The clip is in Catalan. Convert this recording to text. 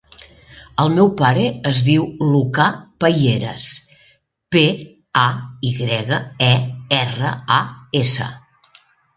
El meu pare es diu Lucà Payeras: pe, a, i grega, e, erra, a, essa.